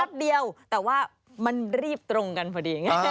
ทันทีเดียวแต่ว่ามันรีบตรงกันพอดี